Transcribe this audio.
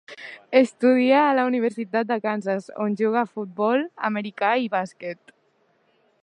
Estudià a la Universitat de Kansas, on jugà a futbol americà i bàsquet.